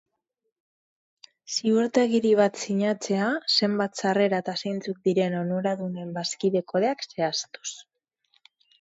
Ziurtagiri bat sinatzea zenbat sarrera eta zeintzuk diren onuradunen bazkide kodeak zehaztuz.